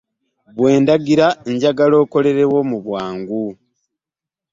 Bwe ndagira njagala okolerewo mu bwangu.